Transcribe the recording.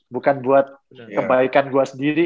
bukan buat kebaikan gue sendiri gitu